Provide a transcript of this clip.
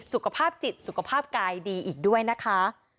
สุขภาพจิตสุขภาพกายดีอีกด้วยนะคะ